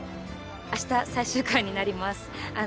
明日最終回になります